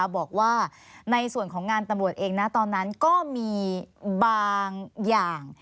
บอกว่าในส่วนของงานตำรวจเองนะตอนนั้นก็มีบางอย่าง